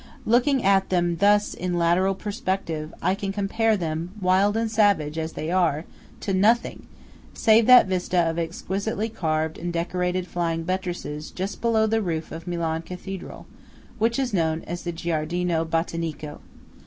Looking at them thus in lateral perspective, I can compare them, wild and savage as they are, to nothing, save that vista of exquisitely carved and decorated flying buttresses just below the roof of Milan Cathedral, which is known as the Giardino Botanico.